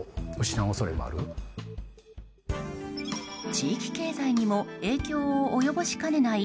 地域経済にも影響を及ぼしかねない